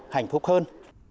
hạnh phúc hơn